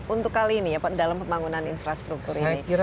untuk kali ini ya pak dalam pembangunan infrastruktur ini